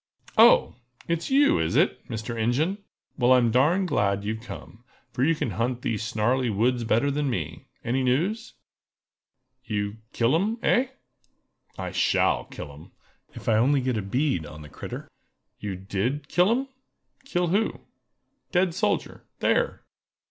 "Oh! it's you, is it, Mr. Ingen? Well, I'm darn glad you've come, for you can hunt these snarly woods better than me! Any news?" "You kill 'em—eh?" "I shall kill 'em, if I only get a bead on the critter!" "You did kill 'em?" "Kill who?" "Dead soldier—there!"